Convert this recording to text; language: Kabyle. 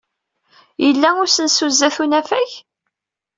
Yella usensu sdat unafag?